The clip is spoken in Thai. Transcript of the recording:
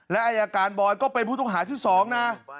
และอายการบอยก็เป็นผู้ต้องหาที่๒นะ